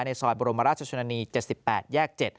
ซอยบรมราชชนนานี๗๘แยก๗